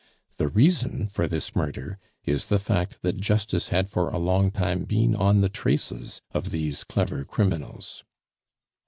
The reason for this murder is the fact that justice had for a long time been on the traces of these clever criminals."